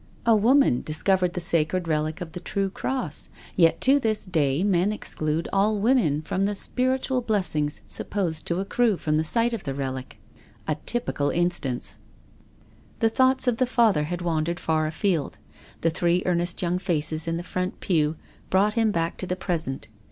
A woman discovered the sacred relic of the true Cross, yet to this day men exclude all women from the spiritual blessings supposed to accrue from a sight of the relic. — ^A typical instance I" The thoughts of the Father had wandered far afield. The three earnest young faces in the front pew brought him back to the present.